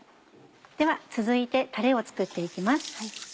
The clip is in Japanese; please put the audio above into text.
では続いてたれを作って行きます。